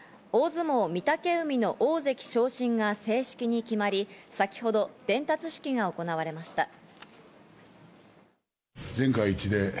大相撲、御嶽海の大関昇進が正式に決まり、先ほど伝達式が行われました。